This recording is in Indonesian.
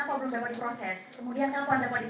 pak masalah karyawan